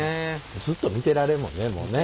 ずっと見てられるもんねもうね。